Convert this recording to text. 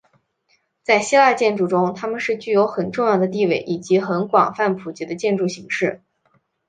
在希腊建筑中他们是具有很重要的地位以及很广泛普及的建筑形式。